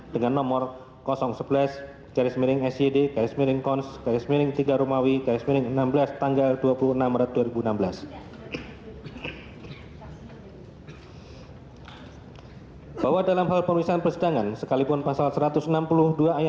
dengan nomor konsul muda di sydney new south wales australia